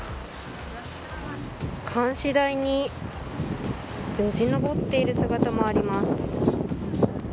監視台によじ登っている姿もあります。